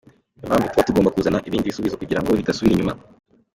Niyo mpamvu tuba tugomba kuzana ibindi bisubizo kugira ngo ridasubira inyuma.”